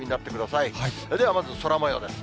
ではまず空もようです。